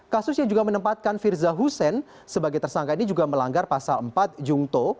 kasus yang juga menempatkan firzah hussein sebagai tersangka ini juga melanggar pasal satu ratus lima puluh enam a kuhp